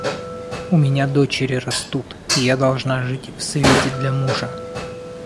У меня дочери растут, и я должна жить в свете для мужа.